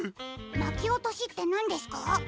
「なきおとし」ってなんですか？